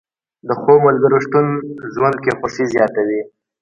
د ښو ملګرو شتون ژوند کې خوښي زیاتوي